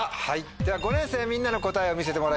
では５年生みんなの答えを見せてもらいましょう。